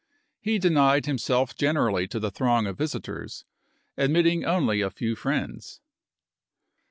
He denied himself generally to the throng of visitors, admit ting only a few friends.